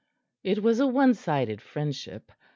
It was a one sided friendship.